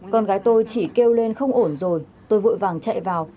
con gái tôi chỉ kêu lên không ổn rồi tôi vội vàng chạy vào